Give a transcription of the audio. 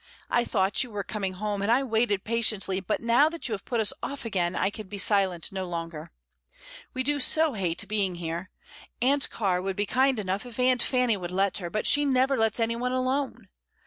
I thought you were coming home, and I waited patiently, but now that you have put us off again, I can be silent no longer. We do so hate being here. Aunt Car would be kind enough if Aunt Fanny would let her, but she never lets any one alone.